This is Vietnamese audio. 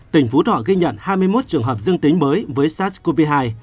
tỉnh phú thọ ghi nhận hai mươi một trường hợp dương tính với sars cov hai